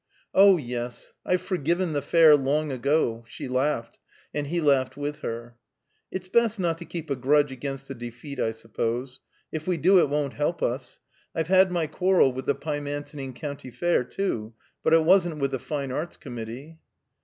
"Oh, yes, I've forgiven the Fair long ago." She laughed, and he laughed with her. "It's best not to keep a grudge against a defeat, I suppose. If we do, it won't help us. I've had my quarrel with the Pymantoning County Fair, too; but it wasn't with the Fine Arts Committee."